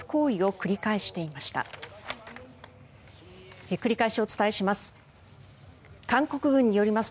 繰り返しお伝えします。